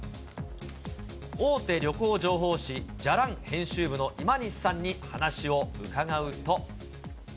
大手旅行情報誌、じゃらん編集部の今西さんに話を伺うと。